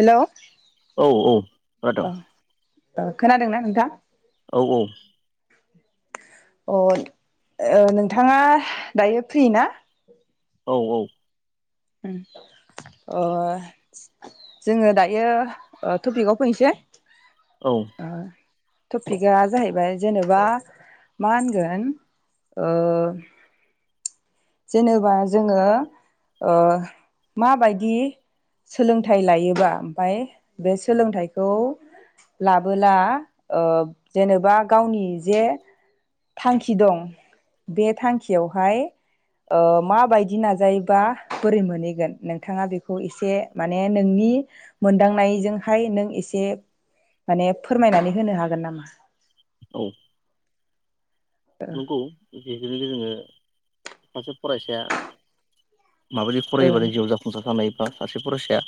Hello औ औ ओ खोनादों खोनादोंना नोंथां औ औ अ नोंथाङा दायो फ्रि ना औ औ ओ जोङो दायो टपिगाव फैनोसै औ टपिकआ जाहैबाय जेनेबा मा होनगोन ओ जेनेबा जोङो माबायदि सोलोंथाइ लायोबा ओमफाय बे सोलोंथाइखौ लाबोला ओ जेनेबा गावनि जे थांखि दं बे थांखियावहाय ओ माबायदि नाजायोबा बोरै मोनहैगोन नोंथाङा बेखौ एसे माने नोंनि मोनदांनायजोंहाय नों एसे माने फोरमायनानै होनो हागोन नामा? औ नंगौ जिखिनि जोङो सासे फरायसाया माबायदि ओं फरायोबा जिउआव जाफुंसार थानाय बा सासे फरायसाया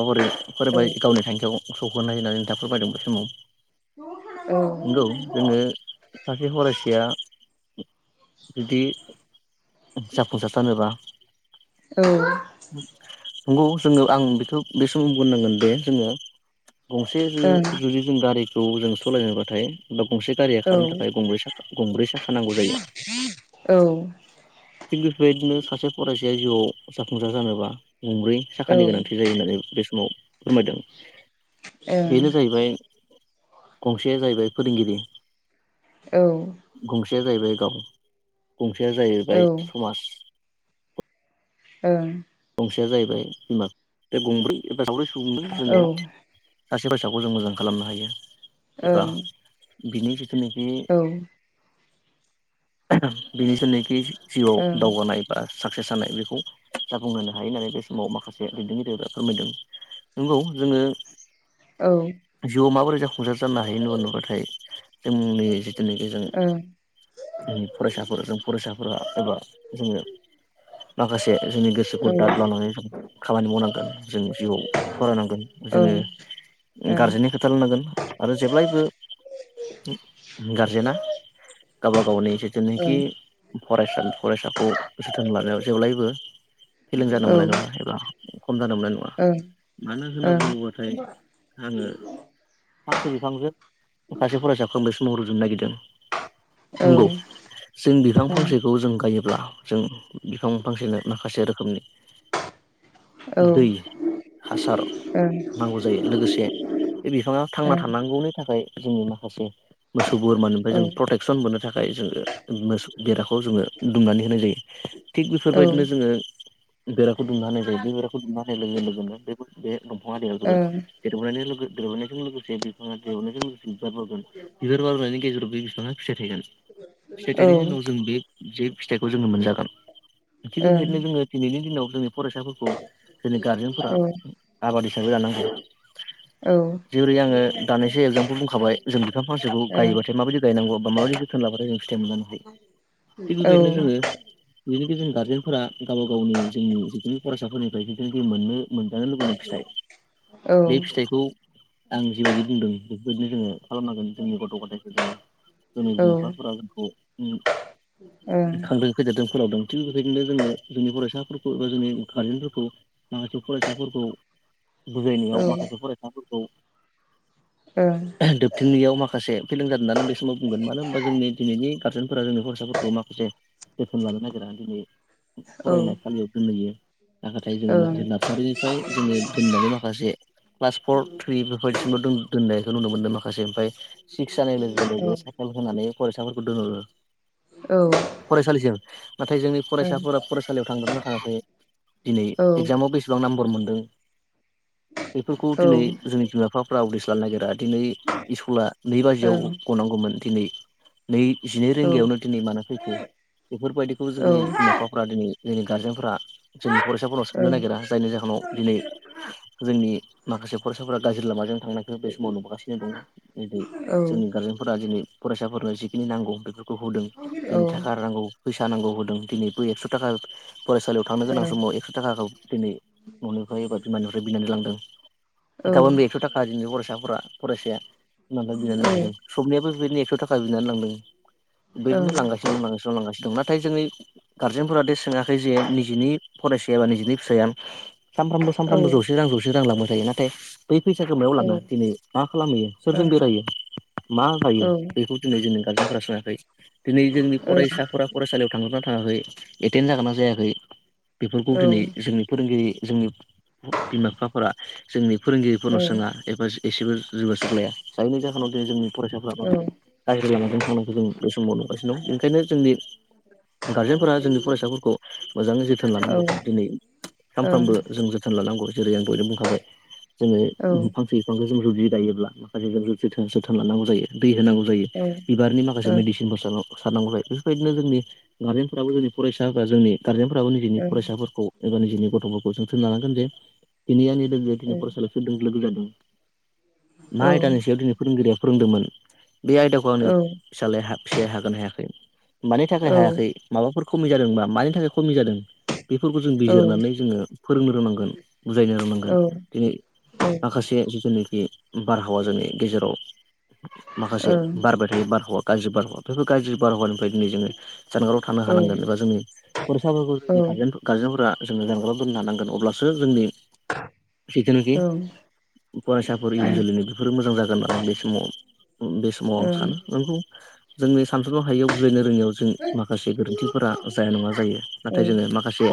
माबोरै औ फरायबाय गावनि थांखियाव सौहैनो हायो होनायनानै नोंथाङा फोरमायदों बे समाव। औ नौ जोंङो सासे फरायसया जुदि जाफुंसार जानोबा औ नंगौ जोंङो आं बेखौ बे सम बुं बुंनांगोन दे जोंङो गंसे ओं ज जुदि जों गारिखौ जों सालायनोबाथाय बा गंसे गारिया खारनो थाखाय गंब्रै साख गंब्रै साखा नांगौ जायो। औ थिग बेफोरबायदिनो सासे फरायसाया जिउआव जाफुंसार जानोबा गंब्रै साखानि ओं गोनांथि जायो होननानै बे समाव फोरमायदों औ बेनो जाहैबाय गंसेया जाहैबाय फोरोंगिरि औ गंसेया जाहैबाय गाव गंसेया जाहैबाय ओं औ समाज ओं गंसेया जाहैबाय बिमा बे गंब्रै एबा सावदै सुबुंदों जोंङो ओं सासे फैसाखौ जों मोजां खालामनो हायो एबा बिनि जिथुनाखि औ बिनि जिनाखि जिउआव दावगानाय बा साक्सेस जानाय बेखौ जाफुंहोनो हायो होननानै बे समाव माखासे दैदेनगिरिफोरा फोरमायदों नंगौ जोङो औ जिउआव माबोरै जाफुंसार जानो हायो होनना नुङोबाथाय जोंनि जिथुनाखि जों फरायसाफोर जों फरायसाफोरा एबा जोङो माखासे जोंनि गोसो गोसोखौ दाद ओं लानानै जों खामानि मावनांगोन जों जिउआव फरायनांगोन। जोंङो ओं ओं गारजेननि खोथा लनांगोन आरो जेब्लायबो गारजेना गावबा गावनि जेथनोखि फरायसा फरायसाखौ जोथोन लानायाव जेब्लायबो फेलें जानो मोननाय नंङा एबा खम जानो मोननाय औ ओं नंङा मानो होनना ओं बुङोब्लाथाय आंङो फांसे बिफांजों सासे फरायसाखौ आं बेसो महर रुजुनो नागिरदों औ नंगौ जों बिफां फांसेखौ जों गायोब्ला जों बिफां फांसेनो माखासे रोखोमनि दै हासार नांगौ जायो लोगोसे बे बिफांङा थांना थानांगौनि थाखाय जोंनि माखासे मोसौ बोरमानिफ्राय जों प्रटेक् प्रतेकसन मोननो थाखाय जोंङो मोसौ बेराखौ जोङो दुमनानै होनाय जायो। थिग बेफोरबायदिनो जोंङो बेराखौ दुमनो हानाय जायो बेराखौ दुमना हानाय लोगो लोगोनो बे फांसे दंफांया देरबोगोन। देरब देरबोनायजों लोगोसे बिफाङा देरहनायजों लोगोसे बिबार बावगोन बिबार बावनायनि गेजेराव बे बिफांङा फिथाय थायगोन। फिथाइ थाइनायनि उनाव जों बे ज फिथाइखौ जोंङो मोनजागोन थिग बेबायदिनो जोंङो दिनैनि दिनाव जोंनि फरायसाफोरखौ जोंनि गारजेनफोरा आबाद हिसाबै लानांगौ। जेरै आंङो दानैसो एगजामपोल बुंखाबाय जों बिफां फांसेखौ गायोबाथाय माबायदि गायनांगौ बा माबायदि जोथोन लाबथाय जों फिथाइ मोनलांनो हायो थिग बेबायदिनो जोंङो बेनि गेजेर जों गारजेनफोरा गावा गावनि जोंनि जिखिनि फरायसाफोरनिफ्राय जिदिनोखि मोननो मोनजानो लुबैनाय फिथाइ बे फिथाइखौ आं जिबायदि बुंदों बेफोरबायदिनो जोंङो खालामनांगोन जोंनि गथ' गथायाइखौ जोंङो जोंनि बिमा बिफाफोरा जोंखौ खांदों फैदेरदों फोलावदों थिग बेबायदिनो जोंङो फरायसाफोरखौ एबा जोंनि गारजेनफोरखौ माखासे फरायसाफोरखौ बुजायनायाव माखासे फरायसाफोरखौ ओ दोबथिंनायाव माखासे फेलें जादों होननानै बे समाव बुंगोन मानो होनबा जोंनि दिनैनि गारजेनफोरा जोंनि फरायसाफोरखौ माखासे जोथोन लानो नागिरा दिनै फरायनायसालियाव दोनहैयो नाथाय जोंङो माखासे नार्सारिनिफ्राय जोंङो दोननानै माखासे क्लास फर थ्रि बेबायदिसिमल दोन दोन्नायखौ नुनो मोनदों माखासे ओमफ्राय सिक्स जानाय लोगो लोगो [unintelligible] होनानै फरायसाफोरखौ दोनहरो फरायसालिसिम नाथाय जोंनि फरायसाफोरा फरायसालियाव थांदोंना थाङाखै दिनै एगजामाव बेसेबां नाम्बर मोनदों बेफोरखौ दिनै जोंनि बिमा बिफाफ्रा उदिस लानो नागिरा दिनै स्कुला नै बाजियाव गनांगौमोन दिनै नै जिनै रिंगायावनो दिनै मानो फैखो बेफोरबायदिखौ जोंनि बिमा बिफा फोरा दिनै जोंनि गारजेनफोरा जोंनि फरायसाफोराव सोंनो नागिरा जायनि जाहोनाव दिनै जोंनि माखासे फरायसाफोरा गाज्रि लामाजों थांनाय बे समाव नुबोगासिनो दङ जेरै जोंनि गारजेनफोरा दिनै फरायसाफोरनो जिखिनि नांगौ बेफोर खौ होदों दिनै थाखा नांगौ फैसा नांगौ होदों दिनैबो एक्स थाखा फरायसालियाव थांनो गोनां समाव एक्स थाखाखौ दिनै न'निफ्राय एबा बिमानिफ्राय बिनानै लांदों गाबोनबो एक्स थाखा दिनै फरायसाफोरा फरायसाया बिमानिफाय बिनानै लांदों सबनियाबो बिबायदिनो एकस थाखा बिनानै लांदों बिबायदिनो लांगासि नो दं लांगासिनों दं लांगासिनो दं नाथाय दिनै गारजेनफोरा दे सोङाखै जे निजिनि फरायसाया बा निजिनि फिसाया सानफ्रामबो सानफ्रामबो जौसे रां जौसे रां लांबाय थायो नाथाय बै फैसा गोमायाव लांङो दिनै मा खालामहैयो सोरजों बेरायो मा जायो बेखौ दिनै जोंनि गार्जेनफोरा सोङाखै दिनै जोंनि फरायसाफोरा फरायसालियाव थांदोना थाङाखै एटेन जागोनना जायाखै बेफोरखौ दिनै जोंनि फोरोंगिरि जोंनि बिमा बिफाफोरा जोंनि फोरोंगिरिफोरनाव सोङा एबा एसेबो जेबो सुगाजुग लाया जायनि जाहोनाव दिनै जोंनि फरायसाफ्रा औ माखासे गाज्रि लामाजों थांनांगौ जायो बे समाव नुगासिनो दं बेनिखायनो जोंनि गारजेनफोरा जोंनि फरायसाफोरखौ मोजाङै जोथोन लानांगौ दिनै सानफ्रामबो जों जो थोन लानांगौ जेरै आं दयनो बुंखाबाय जोङो फां से बिफांखौ जोङो जुदि गायोब्ला माखासे जों जोथोन जोथोन लानांगौ जायो दै होनांगौ जायो बिबारनि माखासे मेदिसिनबो सार सारनांगौ जायो बेफोरबायदिनो जोंनि गार्जेनफोराबो जुदि फरायसा बा जोंनि गारजेनफोराबो निजिनि फरायसाफोरखौ एबा निजिनि गथ'फोरखौ जोंथोन लानांगोन जे दिनै आंनि लोगोआ दिनै फरायसालियाव सोरदों लोगो जादों मा आयदानि सायाव दिनै फोरोंगिरिया फोरोंदोंमोन बे आयदाखौ आंनि फिसालाया फिसाया हागोनना हायाखै मानि थाखाय हायाखै माबाफोर खमि जादोंबा मानि थाखाय खमि जादों बेफोरखौ जों बिजिरनानै जोङो फोरोंनो रोंनांगोन बुजायनो रोंनांगोन दिनै माखासे जिनाखि बारहावा जोंनि गेजेराव माखासे बारबाय थायो बारहावा गाज्रि बारहावाफोर बेफोर गाज्रि बारहावानिफ्राय दिनै जोङो जानगाराव थानो हानांगोन जेनबा जोंनि फरायसाफोरखौ जों गारजेन गारजेनफोरा जोङो जानगाराव दोननो हानांगोन अब्लासो जोंनि जिथुनाखि फरायसाफोर इयुन जोलैनि बेफोरो मोजां जागोन आरो आं बे समाव बे समाव आं सानो नोंगौ जोंनि सानसनो हायियाव बुजायनो रोङिआव जों माखासे गोरोन्थि जाया नङा जायो नाथाय जोङो माखासे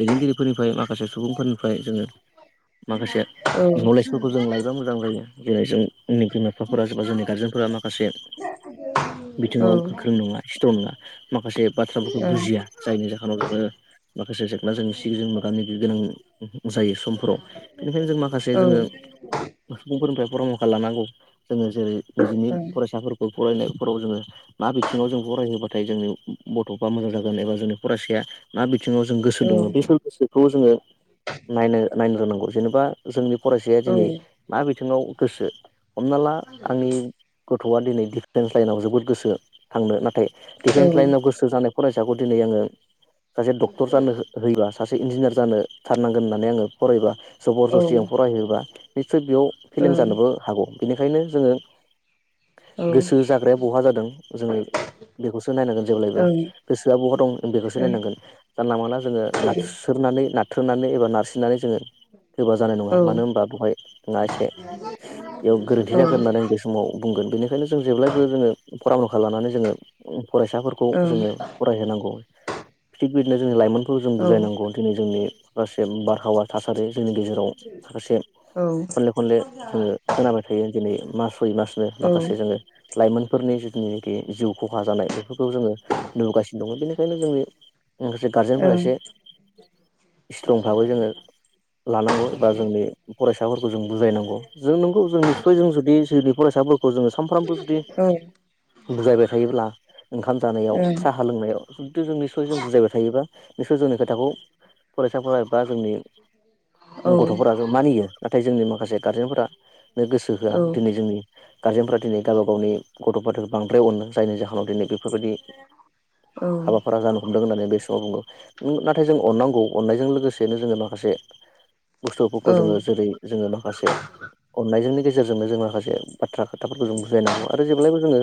दैदेनगिरिफोरनिफ्राय माखासे सुबुंफोरनिफ्राय जोङो माखासे [inaudible] नलेजफोरखौ जों लायोबा मोजां जायो जेरै जोंनि बिमा बिफाफोरा जेनबा जोंनि गारजेनफोरा माखासे [inaudible] बिथिङाव गोख्रों नङा सथ्रं नङा माखासे बाथ्रा बुजिया जायनि जाहोनाव जोङो माखासे जेंना जेंसिजों मोगा मोगि गोनां जायो समफोराव बेनिखायनो जों माखासे जोङो सुबुंफोरनिफ्राय परामर्खा लानांगौ जोङो जेरै निजिनि फरायसाफोरखौ फरायनायफोराव जोङो मा बिथिङाव जों फरायहोबाथाय जोंनि गथ' बा मोजां जागोन एबा जोंनि फरायसाया मा बिथिङाव जों गोसो दङ बे गोसो खौ जोङो नायनो नायनो रोंनांगौ जेनेबा जोंनि फरायसाया दिनै मा बिथिङाव गोसो हमना ला आंनि गथ'आ दिनै डिफेन्स लाइनाव जोबोद गोसो थांनो नाथाय डिफेन्स लाइनाव गोसो जानाय फरायसाखौ दिनै आङो सासे डक्टर जानो होयोबा सासे इन्जिनियार जानो थारनांगोन होननानै आङो फरायबा जबर जसथि आं फरायहोबा निसय बेयाव फेलें जानोबो हागौ बेनिखायनो जोङो गोसो जाग्राया बहा जादों जोङो बेखौसो नायनांगोन जेब्लायबो गोसोआ बहा दं बेखौसो नायनांगोन जानला मोनला जोङो नारस्रोननानै नारथ्रोननानै एबा नारसिननानै जोङो होबा जानाय नङा मानो होनबा बेहाय नोंहा एसे बेयाव गोरोन्थि जागोन होननानै आं गो समाव बुंगोन बेनिखायनो जों जेब्लायबो जोङो फराम लखा लानानै जोङो फरायसाफोरखौ जोङो फरायहोनांगौ थिग बिदिनो जोंनि लाइमोनफोरखौ जों बुजायनांगौ दिनै जोंनि माखासे बारहावा थासारि जोंनि गेजेर जों माखासे खनले खनले जोङो खोनाबाय थायो दिनै मास सय मास माखासे जोङो लाइमोनफोरनि जिथुनिनाखि जिउ खहा जानाय बेफोरखौ जोङो नुबोगासिनो दङ बेनिखायनो जोंनि माखासे गारजेनफोरा एसे सिट्रं भाबै जोङो लानांगौ एबा जोंनि फरायसाफोरखौ जों बुजायनांगौ जों नोंगौ जों निस्सय जों जुदि जोंनि फरायसाफोरखौ जोङो सानफ्रामबो जुदि बुजायबाय थायोब्ला ओंखाम जानायाव साहा लोंनायाव जुदि जों निसय जों बुजायबाय थायोब्ला निसय जोंनि खोथाखौ फरायसाफोरा एबा जोंनि गथ'फोरा मानियो नाथाय जोंनि माखासे गारजेनफोरानो गोसो होआ दिनै जोंनि गारजेनफोरा दिनै गावबा गावनि गथ'फोर बांद्राय अनो जायनि जाहोनाव दिनै बेफोरबायदि हाबाफोरा जानो हमदों होननानै बे समाव बुंगो नाथाय जों अनांगौ अननायजों लोगोसेनो जोङो माखासे बुस्थुफोरखौ जोङो नंगौ जेरै जोङो माखासे अननायजोंनि गेजेरजोंनो जों माखासे बाथ्रा खोथाफोरखौ जों बुजायनांगौ आरो जेब्लायबो जोङो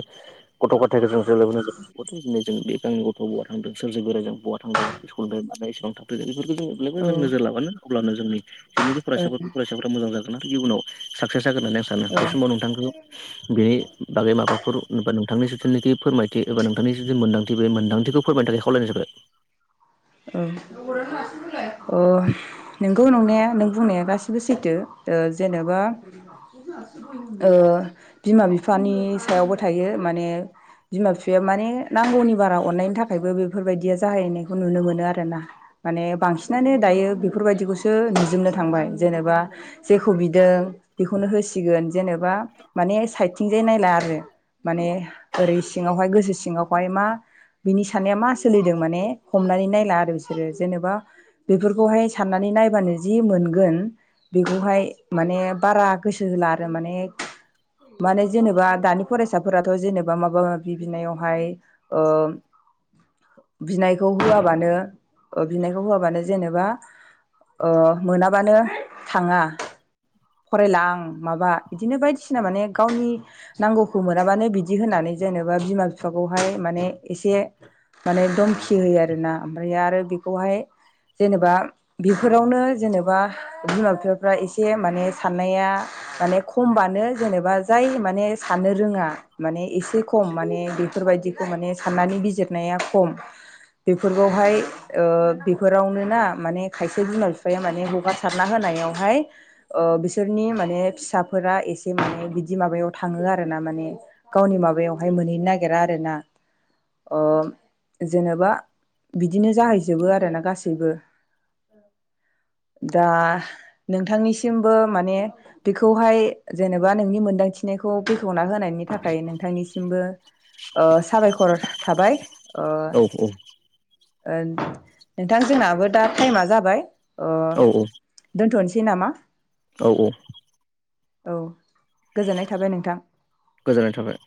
गथ' गथायखौ जों जेब्लबो नोजोर होनांगौ दिनै जों बे आंनि गथ' बहा थांदों सोरजों बोराय जों बहा थांदों स्कुल थानाय इसेबां थाब बेफोरखौ जोंबो जों नोजोर लाबानो अलानो जोंनि जेनोखि फरायसाफोरखौ फरायसाफोरा मोजां जागोन आरो इयुननाव साक्साग होननानै आं सानो बे समाव नोंथांखौ बेनि बागै माबाफोरबा नोंथांनि जिथुनोखि फोरमायथि एबा नोंथांनि जि मोनदांथि बे मोनदांथिखौ फोरमायनो थाखाय खावलायनो जाबाय ओ नों गौ नङा नों बुंनाया गासिबो सैथो जेनेबा ओ बिमा बिफानि सायावबो थायो माने बिमा बिफाया माने नांगौनि बारा अननायनि थाखायबो बेफोरबायदिया जाहैनायखौ नुनो मोनो आरोना माने बांसिनानो दायो बेफोरबायदिखौसो नुजोबनो थांबाय जेनेबा जेखौ बिदों बेखौनो होसिगोन जेनेबा माने साइदथिंजाय नायला आरो माने ओरै सिङावहाय गोसो सिङावहाय मा बिनि साननाया मा सोलिदों माने हमनानै नायला आरो बिसोरो जेनेबा बेफोरखौहाय साननानै नायबानो जि मोनगोन बेखौहाय माने बारा गोसो होला आरो माने माने जेनेबा दानि फरायसाफोराथ' जेनेबा माबा माबि बिनायावहाय ओ बिनाय खौ होआबानो बिनायखौ होआबानो जेनेबा अ मोनाबानो थाङा फरायला आं माबा बिदिनो बायदिसिना माने गावनि नांगौखौ मोनाबानो बिदि होननानै जेनेबा बिमा बिफाखौहाय माने एसे माने दमखि होयो आरोना ओमफ्राय आरो बेखौहाय जेनेबा बेफोरावनो जेनेबा बिमा बिफाफ्रा एसे माने साननाया माने खमबानो जेनेबा जाय माने साननो रोङा। माने एसे खम माने बेफोरबायदिखौ माने साननानै बिजिरनाया खम बेफोरखौहाय ओ बेफोरावनो ना माने खायसे बिमा बिफाया माने हगार सारना होनायावहाय बिसोरनि माने फिसाफोरा एसे माने बिदि माबायाव थाङो आरो ना माने गावनि माबायावहाय मोनहैनो नागिरा आरोना जेनेबा बिदिनो जाहैजोबो आरोना गासैबो दा नोंथांनिसिमबो माने बेखौहाय जेनेबा नोंनि मोनदांथि बेखेवना होनायनि थाखाय नोंथांनिसिमबो साबायखर थाबाय। ओ। औ नोंथां जोंनाबो दा टाइमा जाबाय ओ औ औ दोनथनोसै नामा? औ औ। औ गोजोननाय थाबाय नोंथां। गोजोननाय थाबाय।